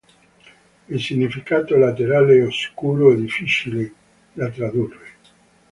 Il significato letterale è oscuro e difficile da tradurre.